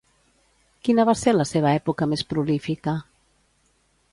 Quina va ser la seva època més prolífica?